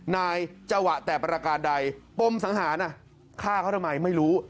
นายจะหวะแต่ประการใดปมสังหารฆ่าเขาทำไมไม่รู้